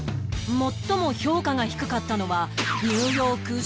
最も評価が低かったのは